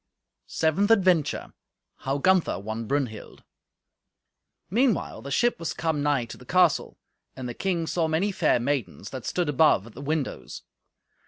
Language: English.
Seventh Adventure How Gunther Won Brunhild Meanwhile the ship was come nigh to the castle, and the king saw many fair maidens that stood above at the windows.